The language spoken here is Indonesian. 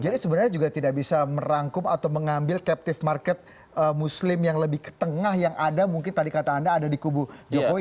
sebenarnya juga tidak bisa merangkum atau mengambil captive market muslim yang lebih ke tengah yang ada mungkin tadi kata anda ada di kubu jokowi